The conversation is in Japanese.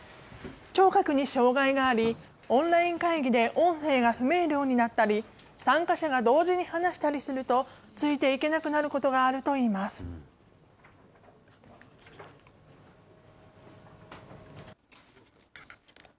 聴覚に障害があり、オンライン会議で音声が不明瞭になったり、参加者が同時に話したりすると、ついていけなくなることがあるといいます。